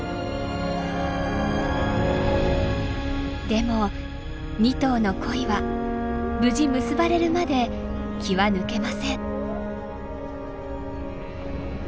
でも２頭の恋は無事結ばれるまで気は抜けません。